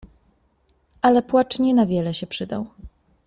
Ale płacz nie na wiele się przydał.